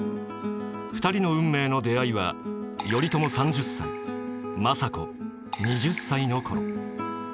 ２人の運命の出会いは頼朝３０歳政子２０歳のころ。